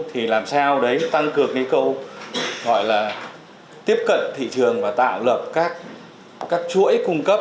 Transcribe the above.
thì làm sao đấy tăng cường cái câu gọi là tiếp cận thị trường và tạo lập các chuỗi cung cấp